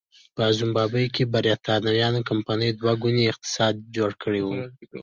په زیمبابوې کې برېټانوۍ کمپنۍ دوه ګونی اقتصاد جوړ کړی و.